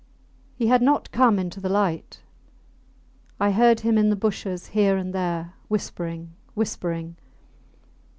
He had not come into the light. I heard him in the bushes here and there, whispering, whispering.